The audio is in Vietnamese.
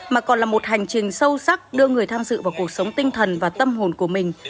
mà còn là một hành trình sâu sắc đưa người tham dự vào cuộc sống tinh thần và tâm hồn của mình